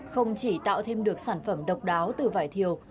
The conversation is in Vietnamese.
không chỉ tạo thêm được sản phẩm độc đáo từ vải thiều